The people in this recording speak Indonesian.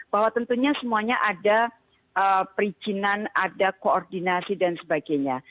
bahwa tentunya semuanya ada perizinan ada koordinasi dan sebagainya